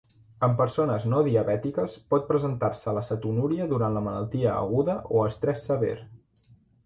En persones no diabètiques, pot presentar-se la cetonúria durant la malaltia aguda o estrès sever.